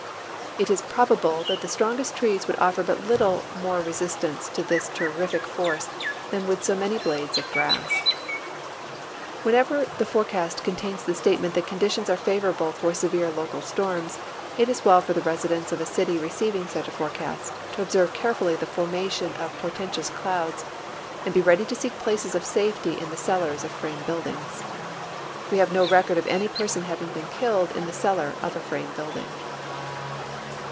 It is probable that the strongest trees would offer but little more resistance to this terrific force than Avould so many blades of grass. Whenever the forecast contains the statement that conditions are favorable for severe local storms, it is well for the residents of a city receiving such forecast to observe carefully the forma tion of portentous clouds and be ready to seek places of safety in the cellars of frame buildings. We have no record of any person having been killed in the cellar of a frame building.